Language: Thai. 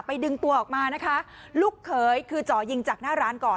ดึงตัวออกมานะคะลูกเขยคือจ่อยิงจากหน้าร้านก่อน